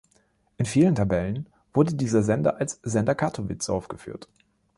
In vielen Tabellen wurde dieser Sender als „Sender Kattowitz“ aufgeführt.